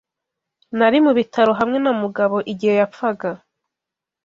Nari mu bitaro hamwe na Mugabo igihe yapfaga